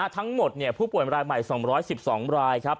ทั้งหมดผู้ป่วยรายใหม่๒๑๒รายครับ